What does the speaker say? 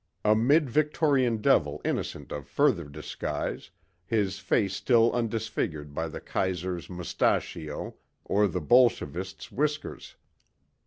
A Mid Victorian Devil innocent of further disguise, his face still undisfigured by the Kaiser's mustachio or the Bolshevist's whiskers.